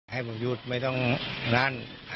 ให้ผมหยุดไม่ต้องนั่น